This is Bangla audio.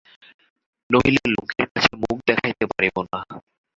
নহিলে লোকের কাছে মুখ দেখাইতে পারিব না।